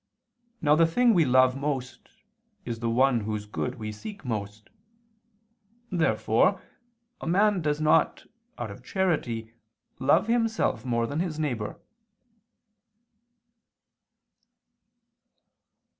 Now the thing we love most is the one whose good we seek most. Therefore a man does not, out of charity, love himself more than his neighbor.